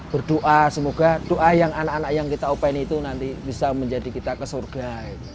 berdoa semoga doa yang anak anak yang kita open itu nanti bisa menjadi kita ke surga